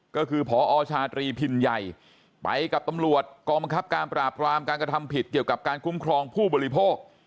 ก็คือพอชาตรีพินใหญ่ไปกับตำรวจกองบังคับการปราบรามการกระทำผิดเกี่ยวกับการคุ้มครองผู้บริโภค